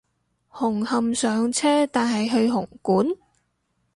紅磡上車但係去紅館？